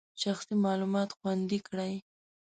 شخصي معلومات خوندي کړئ.